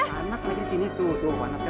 panas lagi disini tuh tuh mau panaskan